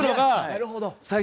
なるほど！